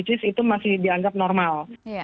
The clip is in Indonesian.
itu masih dianggap normal